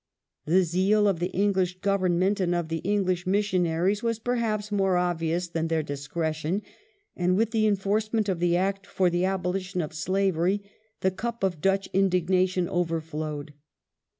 The zeal of the English Government and of the English missionaries was perhaps more obvious than their discretion, and with the enforcement of the Act for the abolition of slavery the cup of Dutch indignation ovei flowed.